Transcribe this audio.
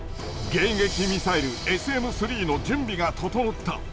迎撃ミサイルＳＭー３の準備が整った。